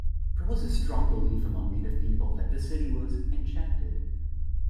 There was strong belief among native peoples that this city was "enchanted".